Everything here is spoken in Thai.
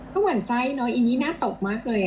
ก็หวั่นไส้น้อยอีนี่น่าตกมากเลย